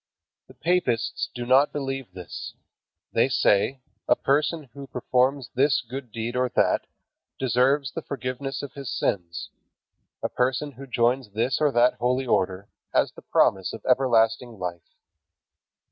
The papists do not believe this. They say, "A person who performs this good deed or that, deserves the forgiveness of his sins. A person who joins this or that holy order, has the promise of everlasting life."